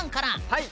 はい！